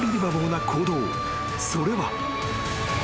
［それは］